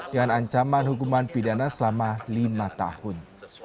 dengan ancaman hukuman pidana selama lima tahun